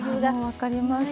分かります。